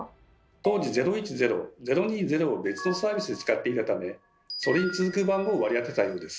当時「０１０」「０２０」を別のサービスで使っていたためそれに続く番号を割り当てたようです。